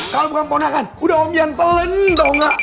kalo bukan ponakan udah om ian telen tau nggak